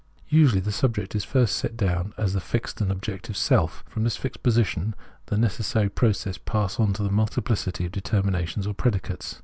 Usually the subject is first set down as the fixed and objective self ; from this fixed position the neces sary process passes on to the multiphcity of deter minations or predicates.